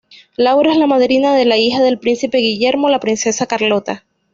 Laura es la madrina de la hija del príncipe Guillermo, la princesa Carlota.